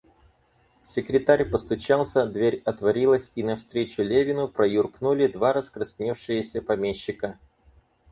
Секретарь постучался, дверь отворилась, и навстречу Левину проюркнули два раскрасневшиеся помещика.